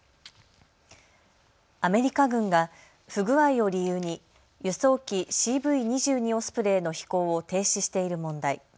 アメリカ軍が不具合を理由に輸送機、ＣＶ２２オスプレイの飛行を停止している問題。